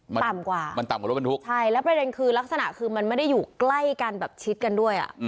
มันต่ำกว่ามันต่ำกว่ารถบรรทุกใช่แล้วประเด็นคือลักษณะคือมันไม่ได้อยู่ใกล้กันแบบชิดกันด้วยอ่ะ